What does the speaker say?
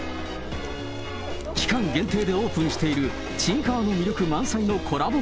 期間限定でオープンしているちいかわの魅力満載のコラボ